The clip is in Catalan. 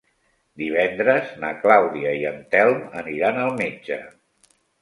Divendres na Clàudia i en Telm aniran al metge.